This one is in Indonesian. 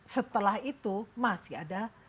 setelah itu masih ada